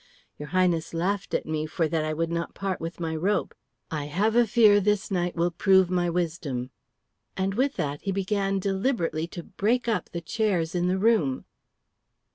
"Your Highness laughed at me for that I would not part with my rope. I have a fear this night will prove my wisdom." And with that he began deliberately to break up the chairs in the room.